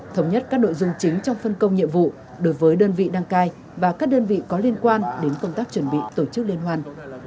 thống nhất các nội dung chính trong phân công nhiệm vụ đối với đơn vị đăng cai và các đơn vị có liên quan đến công tác chuẩn bị tổ chức liên hoàn